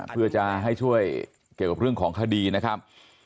เพื่อจะให้ช่วยเกี่ยวกับเรื่องของคดีนะครับ